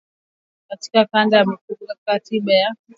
katika kanda za malisho ya mifugo ambazo hupata huduma duni sana za tiba